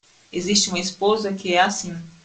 Existe uma esposa que é assim?